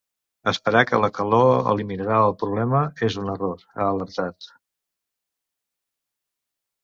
Esperar que la calor eliminarà el problema és un error ha alertat.